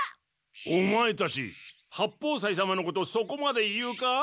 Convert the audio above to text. オマエたち八方斎様のことそこまで言うか？